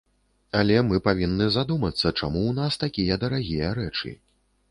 Але мы павінны задумацца, чаму ў нас такія дарагія рэчы.